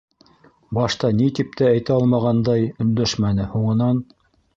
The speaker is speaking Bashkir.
Башта, ни тип тә әйтә алмағандай, өндәшмәне, һуңынан: